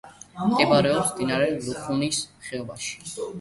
მდებარეობს მდინარე ლუხუნის ხეობაში.